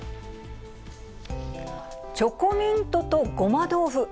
チョコミントとごま豆腐。